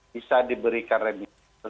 bisa diberikan remisi